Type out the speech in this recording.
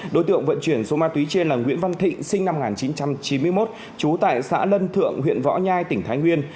đối tượng vận chuyển số ma túy trên là nguyễn văn thịnh sinh năm một nghìn chín trăm chín mươi một trú tại xã lân thượng huyện võ nhai tỉnh thái nguyên